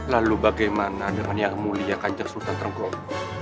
lalu bagaimana dengan yang mulia kanca sultan tenggol